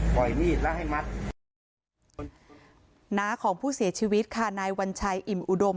มีดแล้วให้มัดน้าของผู้เสียชีวิตค่ะนายวัญชัยอิ่มอุดม